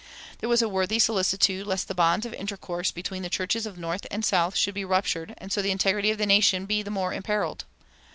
There was a worthy solicitude lest the bonds of intercourse between the churches of North and South should be ruptured and so the integrity of the nation be the more imperiled.